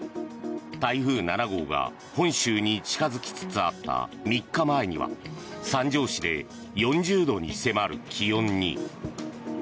台風７号が本州に近付きつつあった３日前には三条市で４０度に迫る気温に。